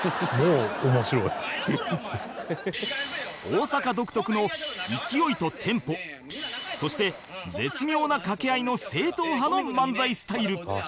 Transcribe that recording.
大阪独特の勢いとテンポそして絶妙なかけ合いの正統派の漫才スタイル